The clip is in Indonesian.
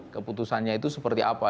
keputusannya itu seperti apa